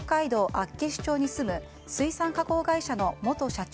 厚岸町に住む水産加工会社の元社長